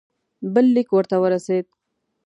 بل لیک ورته ورسېد.